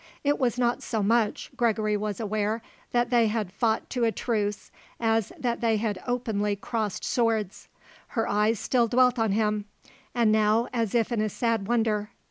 It was not so much, Gregory was aware, that they had fought to a truce as that they had openly crossed swords. Her eyes still dwelt on him, and now as if in a sad wonder.